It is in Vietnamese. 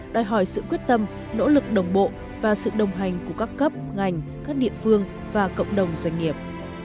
đòi hỏi sự quyết tâm nỗ lực đồng bộ và sự đồng hành của các cấp ngành các địa phương và cộng đồng doanh nghiệp